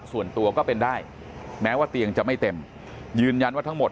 ส่วนตัวก็เป็นได้แม้ว่าเตียงจะไม่เต็มยืนยันว่าทั้งหมด